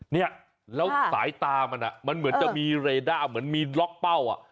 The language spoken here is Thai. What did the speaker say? เนี่ยแล้วสายตามันมันเหมือนจะมีเรด้าเหมือนมีล็อกเป้าอ่ะ